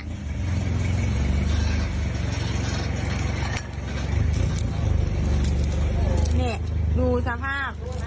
นี่ดูสภาพ